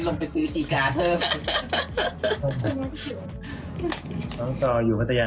หนูก็ตามจากพี่เก่งไง